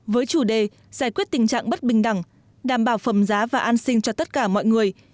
với chủ đề giải quyết tình trạng bất bình đẳng đảm bảo phẩm giá và an sinh cho tất cả mọi người